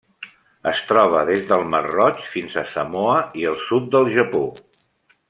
Es troba des del Mar Roig fins a Samoa i el sud del Japó.